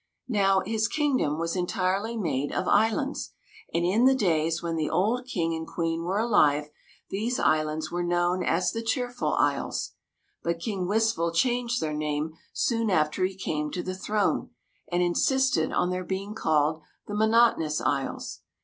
Now, his king dom was entirely made of islands, and in the days when the old King and Queen were alive these islands were known as the Cheerful Isles. But King Wistful changed their name soon after he came to the throne, and insisted on their being called the Monotonous Isles.